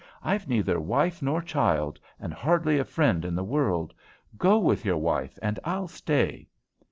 "I've neither wife nor child, and hardly a friend in the world. Go with your wife, and I'll stay."